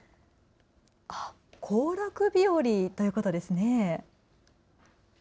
行楽日和ということですね。